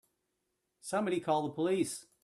Somebody call the police!